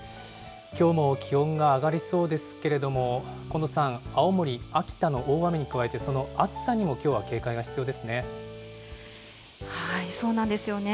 きょうも気温が上がりそうですけれども、近藤さん、青森、秋田の大雨に加えて、その暑さにも、そうなんですよね。